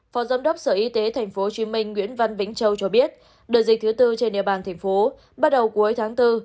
phó giám đốc sở y tế tp hcm nguyễn văn vĩnh châu cho biết đợt dịch thứ tư trên địa bàn thành phố bắt đầu cuối tháng bốn